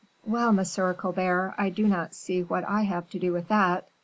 "Well, Monsieur Colbert, I do not see what I have to do with that."